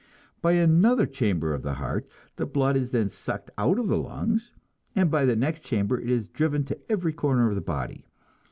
By another chamber of the heart the blood is then sucked out of the lungs, and by the next chamber it is driven to every corner of the body.